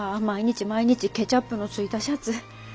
毎日毎日ケチャップのついたシャツ。